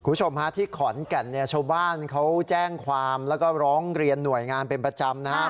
คุณผู้ชมฮะที่ขอนแก่นเนี่ยชาวบ้านเขาแจ้งความแล้วก็ร้องเรียนหน่วยงานเป็นประจำนะครับ